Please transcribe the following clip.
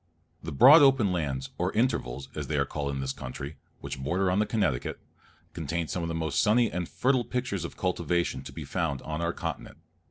The broad open lands, or intervals, as they are called in this country, which border upon the Connecticut, contain some of the most sunny and fertile pictures of cultivation to be found on our continent.